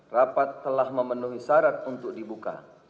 rapat telah memenuhi syarat untuk dibuka